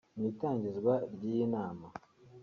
Mu itangizwa ry'iyi nama